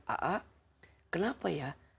aa kenapa ya